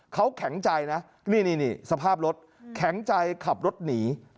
เขาแข็งใจนะนี่สภาพรถแข็งใจขับรถหนี